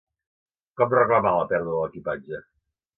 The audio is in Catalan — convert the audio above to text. Com reclamar la pèrdua de l'equipatge?